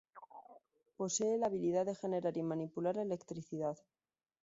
Posee la habilidad de generar y manipular electricidad.